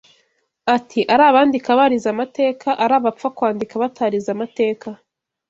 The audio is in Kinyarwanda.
Ati “Ari abandika barize amateka, ari abapfa kwandika batarize amateka